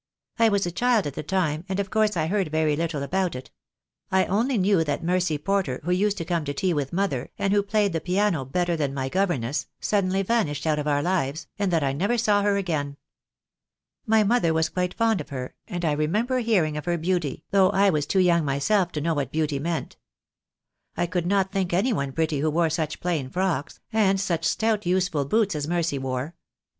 "I was a child at the time, and of course I heard very little about it. I only knew that Mercy Porter who used to come to tea with mother, and who played the piano better than my governess, suddenly vanished out of our lives, and that T never saw her again. My mother was quite fond of her, and I remember hearing of her THE DAY WILL COME. 293 beauty, though I was too young myself to know what beauty meant. I could not think any one pretty who wore such plain frocks, and such stout useful boots as Mercy wore.